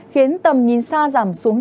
khiến tầm nhìn xa giảm xuống